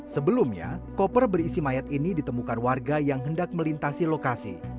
sebelumnya koper berisi mayat ini ditemukan warga yang hendak melintasi lokasi